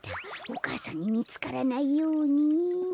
お母さんにみつからないように。